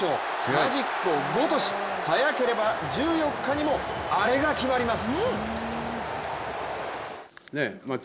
マジックを５とし、早ければ１４日にもアレが決まります。